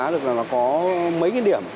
thì chúng tôi đánh giá được là có mấy cái điểm